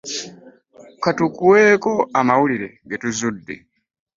Ka tukuweeko amawulire ge tuzudde.